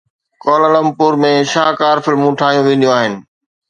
Kuala Lumpur ۾ شاهڪار فلمون ٺاهيون وينديون آهن.